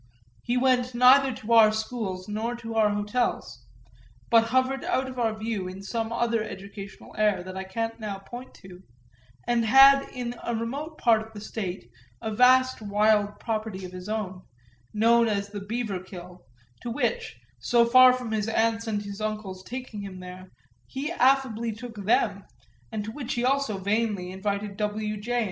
He went neither to our schools nor to our hotels, but hovered out of our view in some other educational air that I can't now point to, and had in a remote part of the State a vast wild property of his own, known as the Beaverkill, to which, so far from his aunt's and his uncle's taking him there, he affably took them, and to which also he vainly invited W. J.